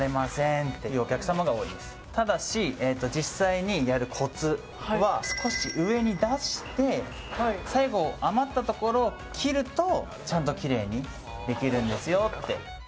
実際にやるコツは、少し上に少し出してはって、最後、余ったところを切ると、ちゃんとキレイにできるんですよって。